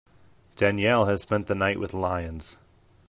Danielle has spent the night with lions.